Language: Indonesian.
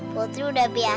putri udah berjaya